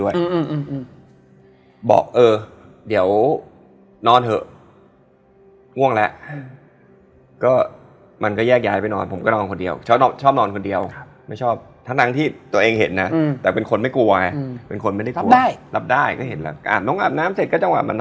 ที่เราจะคุยด้วยตลอดอยู่แหละเป็นเพื่อนในแก๊งเรา